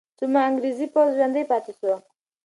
څومره انګریزي پوځ ژوندی پاتې سو؟